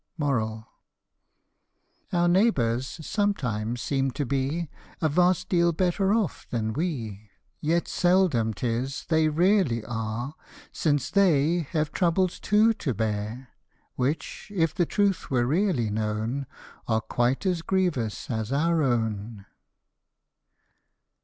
25 Our neighbours sometimes seem to be A vast deal better off than we ; Yet seldom 'tis they really are, Since they have troubles too to bear, Which, if the truth were really known, Are quite as grievous as our own.